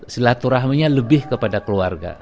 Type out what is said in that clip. selatu rahminya lebih kepada keluarga